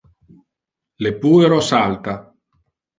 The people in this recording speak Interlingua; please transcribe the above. Le puero salta.